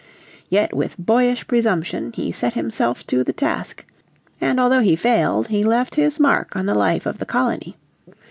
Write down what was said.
Yet with boyish presumption he set himself to the task. And although he failed, he left his mark on the life of the colony.